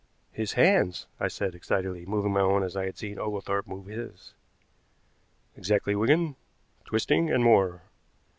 "His hands," I said excitedly, moving my own as I had seen Oglethorpe move his. "Exactly, Wigan, twisting, and more.